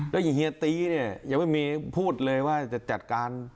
แล้วอย่างเฮียตีเนี่ยยังไม่มีพูดเลยว่าจะจัดการ